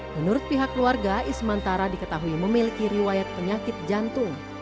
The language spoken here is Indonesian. menurut pihak keluarga ismantara diketahui memiliki riwayat penyakit jantung